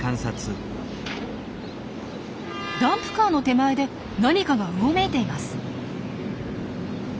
ダンプカーの手前で何かがうごめいています。